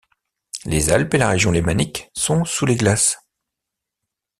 Les Alpes et la région lémanique sont sous les glaces.